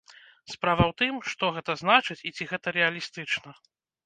Справа ў тым, што гэта значыць і ці гэта рэалістычна?